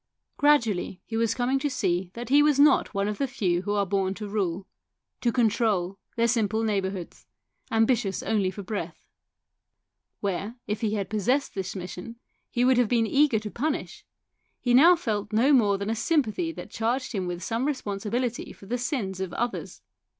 Gradually, he was coming to see that he was not one of the few who are 186 THE SOUL OF A POLICEMAN born to rule to control their simple neigh bours, ambitious only for breath. Where, if he had possessed this mission, he would have been eager to punish, he now felt no more than a sympathy that charged him with some responsibility for the sins of others.